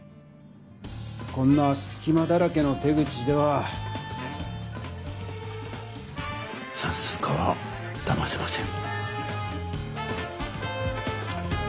こんなすきまだらけの手口ではさんすう課はだませません！